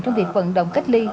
trong việc vận động cách ly